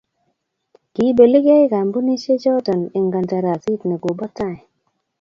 kiibeligei kampunisiechoto eng' kantarasi ne kobo tai.